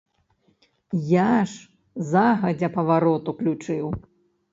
Я ж загадзя паварот уключыў.